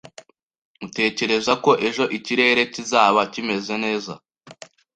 Utekereza ko ejo ikirere kizaba kimeze neza?